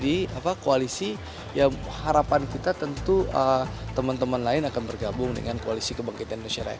di koalisi ya harapan kita tentu teman teman lain akan bergabung dengan koalisi kebangkitan indonesia raya